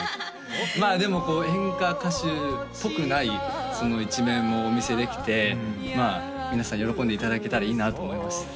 まあでもこう演歌歌手っぽくない一面もお見せできて皆さん喜んでいただけたらいいなと思います